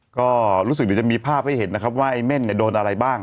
ก็รู้สึกเดี๋ยวจะมีภาพให้เห็นนะครับว่าไอ้เม่นเนี่ยโดนอะไรบ้าง